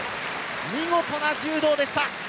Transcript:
見事な柔道でした！